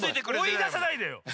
おいださないでよ。